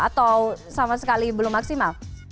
atau sama sekali belum maksimal